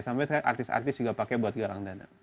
sampai artis artis juga pakai buat garang dana